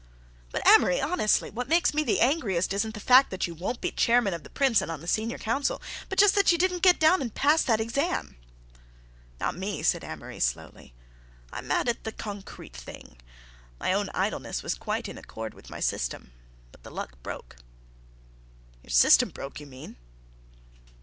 "But, Amory, honestly, what makes me the angriest isn't the fact that you won't be chairman of the Prince and on the Senior Council, but just that you didn't get down and pass that exam." "Not me," said Amory slowly; "I'm mad at the concrete thing. My own idleness was quite in accord with my system, but the luck broke." "Your system broke, you mean."